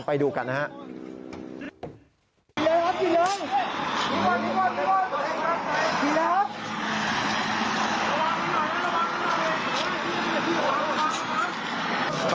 ไปดูกันนะครับ